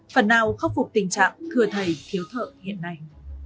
phần nào khắc phục tình trạng thừa thầy thiếu thợ hiện nay